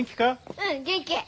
うん元気。